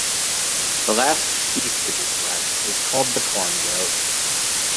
The last sheaf to be threshed is called the Corn Goat.